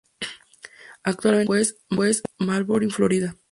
Actualmente vive en West Melbourne, Florida.